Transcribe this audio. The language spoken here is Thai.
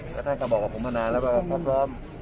แต่ท่านก็บอกกับผมมานานแล้วว่าเขาพร้อม